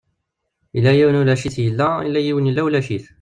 Yella yiwen ulac-it yella, yella yiwen yella ulac-it.